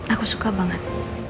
aku suka banget